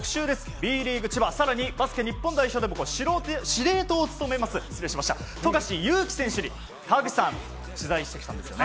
Ｂリーグ千葉、日本代表でも司令塔を務める富樫勇樹選手に川口さん取材してきたんですよね。